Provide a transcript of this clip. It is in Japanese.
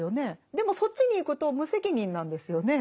でもそっちに行くと無責任なんですよね？